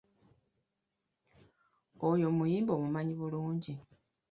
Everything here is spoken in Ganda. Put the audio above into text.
Oyo omuyimbi omumanyi bulungi?